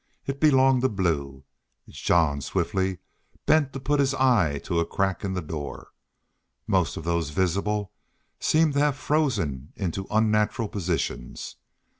It belonged to Blue. Jean swiftly bent to put his eye to a crack in the door. Most of those visible seemed to have been frozen into unnatural positions.